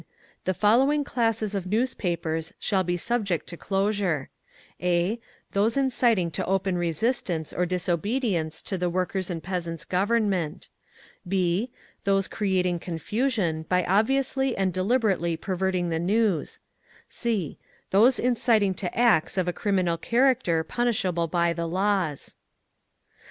The following classes of newspapers shall be subject to closure: (a) Those inciting to open resistance or disobedience to the Workers' and Peasants' Government; (b) Those creating confusion by obviously and deliberately perverting the news; (c) Those inciting to acts of a criminal character punishable by the laws.